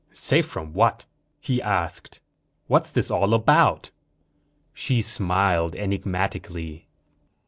"Safe from what?" he asked. "What's this all about?" She smiled enigmatically.